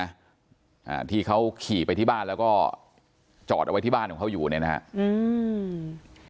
อ่าที่เขาขี่ไปที่บ้านแล้วก็จอดเอาไว้ที่บ้านของเขาอยู่เนี่ยนะฮะอืม